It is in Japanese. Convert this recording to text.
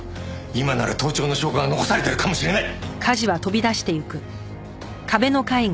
今なら盗聴の証拠が残されてるかもしれない！